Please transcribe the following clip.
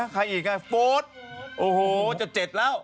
ทั้งไอหน้า